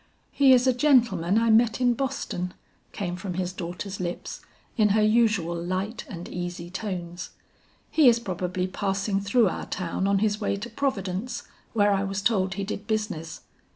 "'He is a gentleman I met in Boston,' came from his daughter's lips, in her usual light and easy tones. 'He is probably passing through our town on his way to Providence, where I was told he did business.